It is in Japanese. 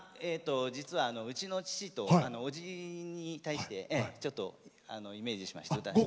実は、うちの父とおじに対してちょっとイメージしまして。